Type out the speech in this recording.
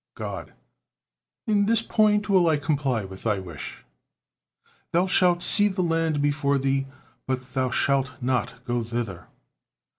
God: "In this point will I comply with thy wish. 'Thou shalt see the land before thee; but thou shalt not go thither.'"